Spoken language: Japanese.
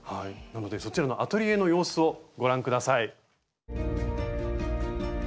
そちらのアトリエの様子をご覧下さい。